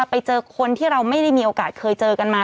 ไปเจอคนที่เราไม่ได้มีโอกาสเคยเจอกันมา